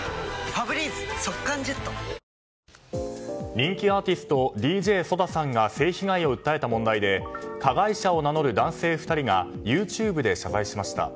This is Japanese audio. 人気アーティストＤＪＳＯＤＡさんが性被害を訴えた問題で加害者を名乗る男性２人がＹｏｕＴｕｂｅで謝罪しました。